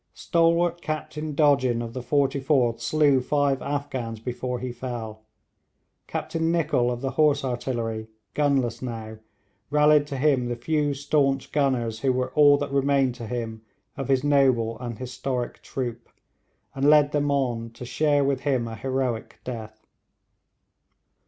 Stalwart Captain Dodgin of the 44th slew five Afghans before he fell. Captain Nicholl of the horse artillery, gunless now, rallied to him the few staunch gunners who were all that remained to him of his noble and historic troop, and led them on to share with him a heroic death.